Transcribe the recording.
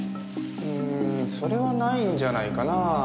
うんそれはないんじゃないかなぁ。